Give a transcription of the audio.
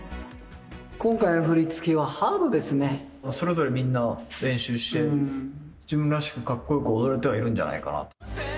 今回の振り付けはハードですそれぞれみんな練習して、自分らしくかっこよく踊れてはいるんじゃないかなと。